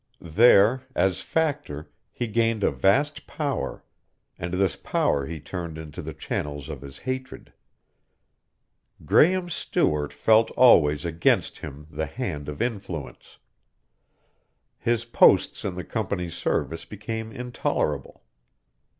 There, as Factor, he gained a vast power; and this power he turned into the channels of his hatred. Graehme Stewart felt always against him the hand of influence. His posts in the Company's service became intolerable.